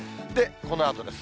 このあとです。